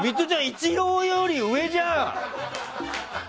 イチローより上じゃん。